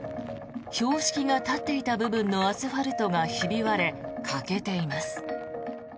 標識が立っていた部分のアスファルトがひび割れ欠けています。